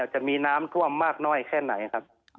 จะมีน้ำท่วมมากน้อยแค่ไหนครับ